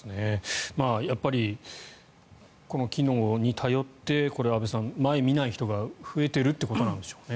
やっぱりこの機能に頼って安部さん、前を見ない人が増えているということなんでしょうね。